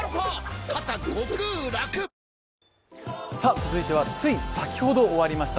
続いては、つい先ほど終わりました